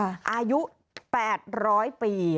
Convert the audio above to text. อายุ๘๐๐ปี